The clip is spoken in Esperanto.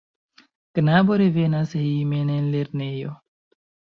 Knabo revenas hejmen el lernejo.